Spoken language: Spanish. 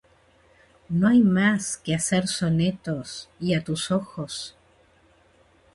¿No hay más que hacer sonetos, y a tus ojos?